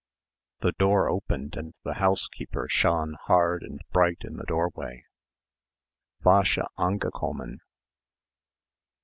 The door opened and the housekeeper shone hard and bright in the doorway. "Wäsche angekommen!"